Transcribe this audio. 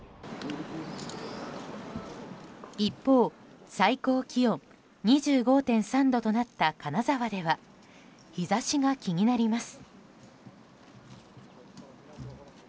一方、最高気温２５．３度となった金沢では日差しが気になります。